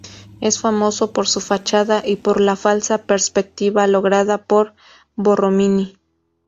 Es famoso por su fachada, y por la falsa perspectiva lograda por Borromini.